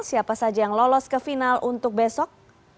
siapa saja yang lolos ke final untuk besok